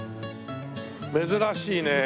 珍しいねえ。